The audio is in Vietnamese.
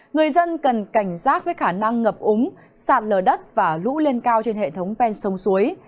người dân cần cảnh giác với khả năng ngập úng sạt lở đất và lũ lên cao trên hệ thống ven sông suối